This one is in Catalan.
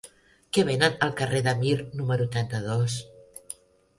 Què venen al carrer de Mir número trenta-dos?